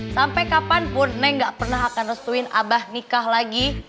sampai kapanpun neng gak pernah akan restuin abah nikah lagi